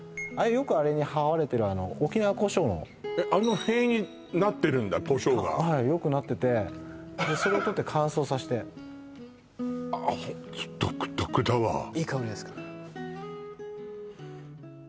よくあれにはわれてる沖縄コショウのえっあの塀になってるんだコショウがはいよくなっててでそれを取って乾燥させてああ独特だわうん！